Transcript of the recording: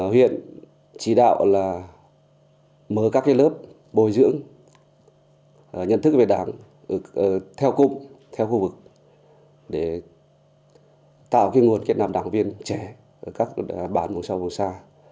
huyện chỉ đạo là mở các lớp bồi dưỡng nhận thức về đảng theo cụm theo khu vực để tạo nguồn kết nạp đảng viên trẻ ở các bản vùng sâu vùng xa